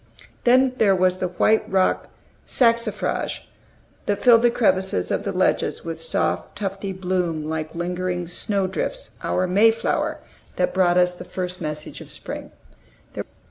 Then there was the white rock saxifrage, that filled the crevices of the ledges with soft, tufty bloom like lingering snow drifts, our May flower, that brought us the first message of spring.